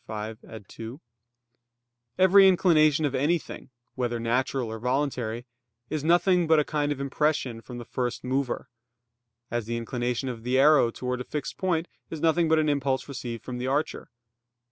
5, ad 2), every inclination of anything, whether natural or voluntary, is nothing but a kind of impression from the first mover; as the inclination of the arrow towards a fixed point is nothing but an impulse received from the archer.